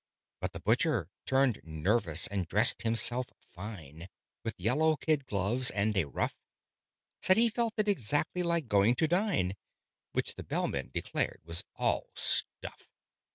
But the Butcher turned nervous, and dressed himself fine, With yellow kid gloves and a ruff Said he felt it exactly like going to dine, Which the Bellman declared was all "stuff."